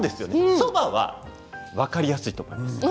そばは分かりやすいと思います。